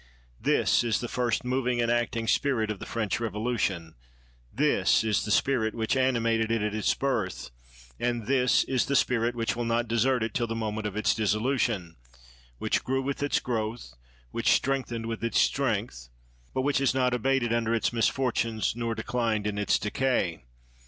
This is the first moving and acting spirit of the French Revolution; this is the spirit which animated it at its birth, and this is the spirit which will not desert it till the moment of its dissolution, "which grew with its growth, which strengthened with its strength," but which has not abated under its misfortunes nor declined in its decay.